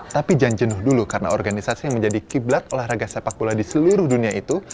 tapi jangan jenuh dulu karena organisasi yang menjadi kiblat olahraga sepak bola di seluruh dunia itu